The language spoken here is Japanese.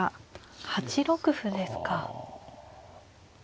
８六歩ですか。